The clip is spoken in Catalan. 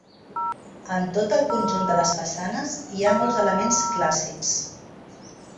En tot el conjunt de les façanes hi ha molts elements clàssics.